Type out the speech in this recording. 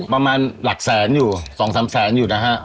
ประมาณหลักแสนอยู่๒๓แสนอยู่นะฮะ